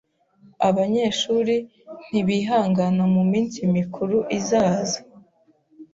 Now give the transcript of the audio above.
Abanyeshuri ntibihangana muminsi mikuru izaza.